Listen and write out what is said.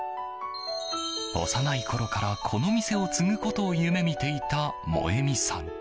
幼いころからこの店を継ぐことを夢見ていた、萌美さん。